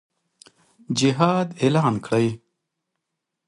جهاد اعلان کړي.